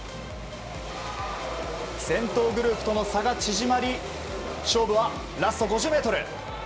先頭グループとの差が縮まり勝負は、ラスト５０ｍ。